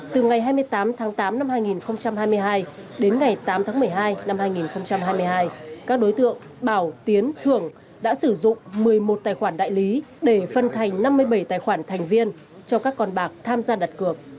từ ngày hai mươi tám tháng tám năm hai nghìn hai mươi hai đến ngày tám tháng một mươi hai năm hai nghìn hai mươi hai các đối tượng bảo tiến thường đã sử dụng một mươi một tài khoản đại lý để phân thành năm mươi bảy tài khoản thành viên cho các con bạc tham gia đặt cược